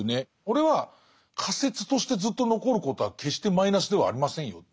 これは仮説としてずっと残ることは決してマイナスではありませんよという。